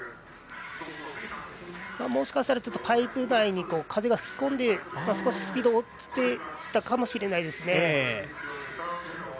もしかしたらパイプに風が吹きこんで少しスピードが落ちていたかもしれないです。